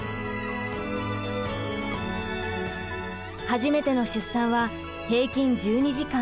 初めての出産は平均１２時間。